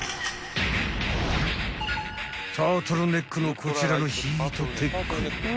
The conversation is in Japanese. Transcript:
［タートルネックのこちらのヒートテック］